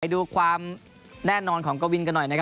ดูความแน่นอนของกวินกันหน่อยนะครับ